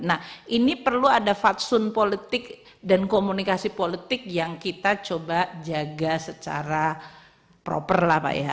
nah ini perlu ada fatsun politik dan komunikasi politik yang kita coba jaga secara proper lah pak ya